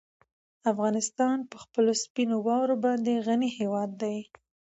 افغانستان په خپلو سپینو واورو باندې غني هېواد دی.